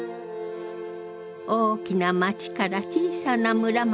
大きな街から小さな村まで。